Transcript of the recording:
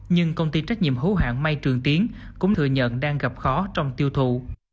nhưng công ty trách nhiệm hữu hạng may trường tiến cũng thừa nhận đang gặp khó trong tiêu thụ